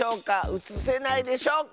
うつせないでしょうか？